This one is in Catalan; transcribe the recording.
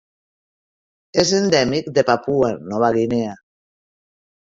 És endèmic de Papua Nova Guinea.